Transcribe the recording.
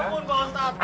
ya ampun pak ustadz